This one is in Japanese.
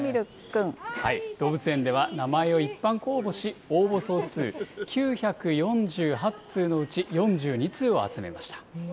動物園では名前を一般公募し、応募総数９４８通のうち４２通を集めました。